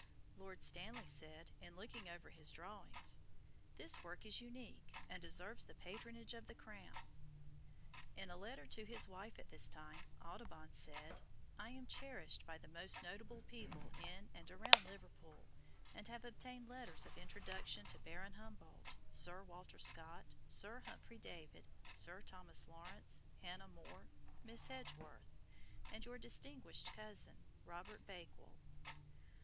Lord Stanley said in looking over his drawings: "This work is unique, and deserves the patronage of the Crown." In a letter to his wife at this time, Audubon said: "I am cherished by the most notable people in and around Liverpool, and have obtained letters of introduction to Baron Humboldt, Sir Walter Scott, Sir Humphry Davy, Sir Thomas Lawrence, Hannah More, Miss Edgeworth, and your distinguished cousin, Robert Bakewell."